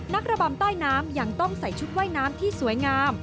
ระบำใต้น้ำยังต้องใส่ชุดว่ายน้ำที่สวยงาม